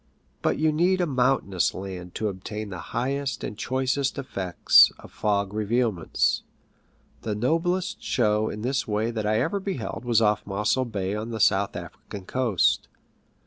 But you need a mountainous land to obtain the highest and choicest effects of fog revealments. The noblest show in this way that I ever beheld was off Mossel Bay on the South African coast.